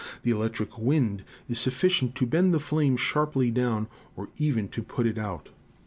The electric wind is sufficient to bend the flame sharply down, or even to put it out.